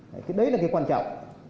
cái đấy là cái quan trọng